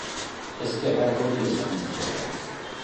Eskerrak hori esan dizudala.